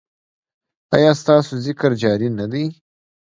ایا ستاسو ذکر جاری نه دی؟